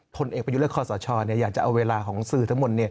ผลเอกไปยุดละครสอชออยากจะเอาเวลาของสื่อทั้งหมด